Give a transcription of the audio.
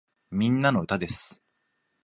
みんなの歌です